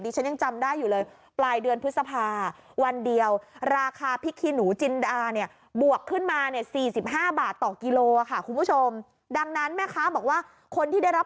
ร้อยเจ็ดสิบตอนเนี้ยขยับขึ้นเป็นสองร้อยห้าสิบ